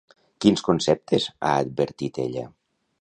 Quins conceptes ha advertit ella?